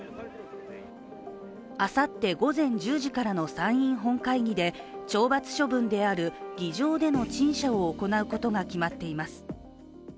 あさって午前１０時からの参院本会議で懲罰処分である議場での陳謝を行うことが決まっています。